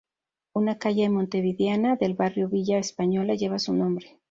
Una calle montevideana del barrio Villa Española lleva su nombre.